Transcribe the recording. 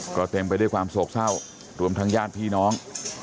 ก็เต็มไปด้วยความโศกเศร้ารวมทั้งญาติพี่น้อง